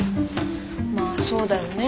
まあそうだよね。